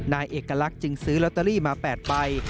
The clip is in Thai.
นายเอกลักษณ์จึงซื้อลอตเตอรี่มา๘ใบ